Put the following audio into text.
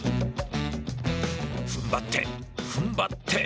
ふんばってふんばって。